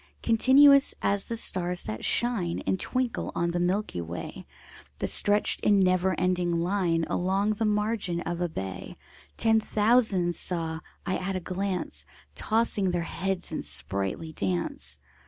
Continuous as the stars that shine And twinkle on the milky way, The stretched in never ending line Along the margin of a bay: Ten thousand saw I at a glance, Tossing their heads in sprightly dance.